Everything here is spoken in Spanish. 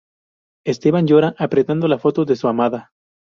Esteban llora apretando la foto de su amada.